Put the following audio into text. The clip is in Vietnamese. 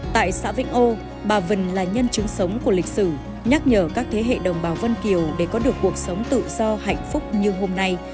tại xã vĩnh âu bà vân là nhân chứng sống của lịch sử nhắc nhở các thế hệ đồng bào vân kiều để có được cuộc sống tự do hạnh phúc như hôm nay